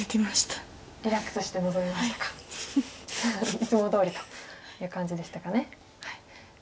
いつもどおりという感じでしたかね。